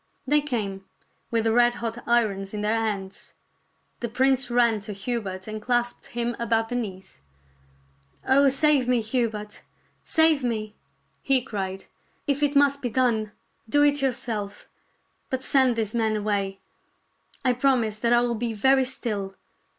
They came, with the red hot irons in their hands. The prince ran to Hubert and clasped him about the knees. " Oh, save me, Hubert ! save me !" he cried. " If it must be done, do it yourself ; but send these men away. I promise that I will be very still.